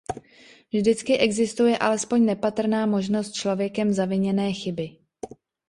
Vždycky existuje alespoň nepatrná možnost člověkem zaviněné chyby.